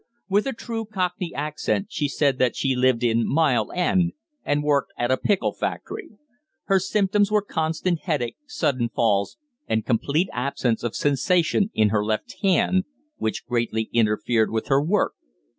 With a true cockney accent she said that she lived in Mile End, and worked at a pickle factory. Her symptoms were constant headache, sudden falls, and complete absence of sensation in her left hand, which greatly interfered with her work.